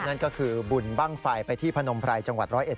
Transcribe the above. นั่นก็คือบุญบ้างไฟไปที่พนมไพรจังหวัดร้อยเอ็ด